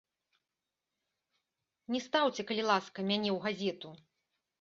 Не стаўце, калі ласка, мяне ў газету.